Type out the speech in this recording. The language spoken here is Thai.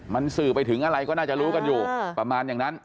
มันสื่อไปถึงอะไรก็น่าจะรู้กันอยู่ประมาณอย่างนั้น